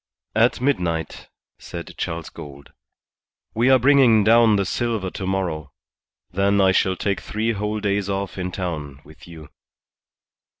"At midnight," said Charles Gould. "We are bringing down the silver to morrow. Then I shall take three whole days off in town with you."